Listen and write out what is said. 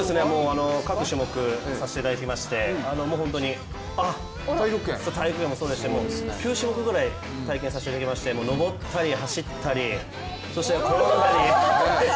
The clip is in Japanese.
各種目させていただきまして本当に太極拳もそうですけれども９種目くらい体験させていただきましてのぼったり走ったり、そして転んだり。